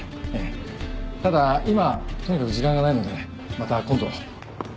ただ今とにかく時間がないのでまた今度。